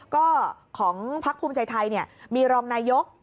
ก็ของพลังประชาธิปัตย์ภูมิใจไทยมีรองนายก